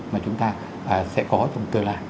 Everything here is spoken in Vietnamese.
mà chúng ta sẽ có trong thời gian